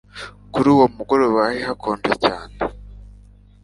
Kuri uwo mugoroba hari hakonje cyane